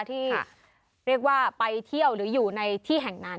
ที่เรียกว่าไปเที่ยวหรืออยู่ในที่แห่งนั้น